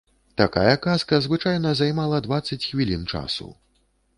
Такая казка звычайна займала дваццаць хвілін часу.